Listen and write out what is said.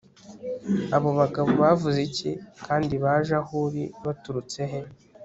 abo bagabo bavuze iki, kandi baje aho uri baturutse he